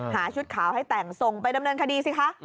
ชุดขาวให้แต่งส่งไปดำเนินคดีสิคะ